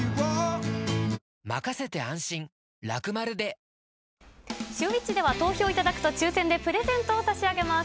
さあ、シューＷｈｉｃｈでは投票いただくと、抽せんでプレゼントを差し上げます。